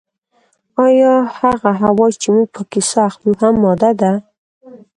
ایا هغه هوا چې موږ پکې ساه اخلو هم ماده ده